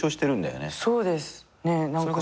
そうですね。